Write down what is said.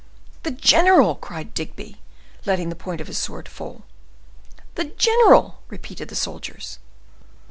"The general!" cried Digby, letting the point of his sword fall. "The general!" repeated the soldiers.